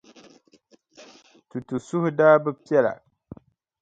Tutu suhu daa bi piɛla.